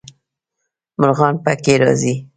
مرغان پکې راځي.